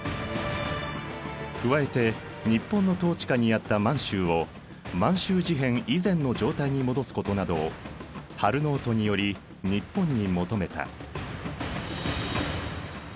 加えて日本の統治下にあった満州を満州事変以前の状態に戻すことなどを「ハル・ノート」により日本に求めた。